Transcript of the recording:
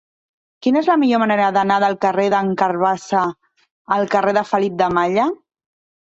Quina és la millor manera d'anar del carrer d'en Carabassa al carrer de Felip de Malla?